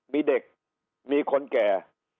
มีเด็กมีคนแก่